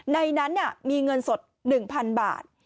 ในนั้นมีเงินสด๑๐๐๐บาท